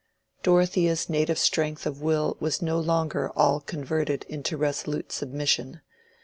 Dorothea's native strength of will was no longer all converted into resolute submission.